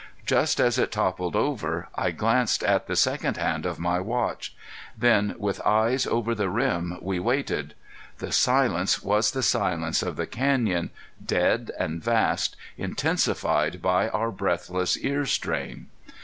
Just as it toppled over I glanced at the second hand of my watch. Then with eyes over the rim we waited. The silence was the silence of the canyon, dead and vast, intensified by our breathless earstrain.